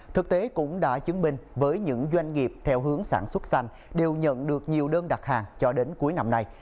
thực tế cũng đã chứng minh với những doanh nghiệp theo hướng sản xuất xanh đều nhận được nhiều đơn đặt hàng cho đến cuối năm nay